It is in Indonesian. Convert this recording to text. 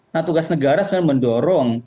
nah tugas negara sebenarnya mendorong